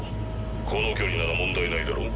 この距離なら問題ないだろう？